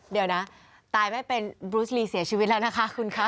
เดี๋ยวนะตายไม่เป็นบรุษลีเสียชีวิตแล้วนะคะคุณคะ